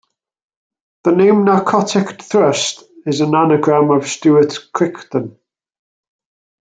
The name Narcotic Thrust is an anagram of "Stuart Crichton".